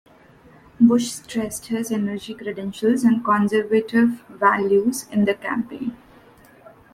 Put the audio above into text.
Bush stressed his energy credentials and conservative values in the campaign.